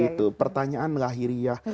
itu pertanyaan lahiriah